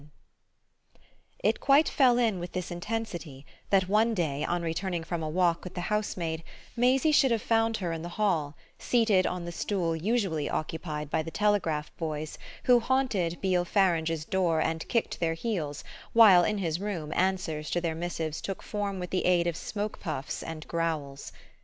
VII It quite fell in with this intensity that one day, on returning from a walk with the housemaid, Maisie should have found her in the hall, seated on the stool usually occupied by the telegraph boys who haunted Beale Farange's door and kicked their heels while, in his room, answers to their missives took form with the aid of smoke puffs and growls.